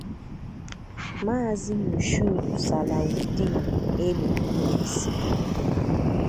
Maazị Moshood Salawudeen égbè n'isi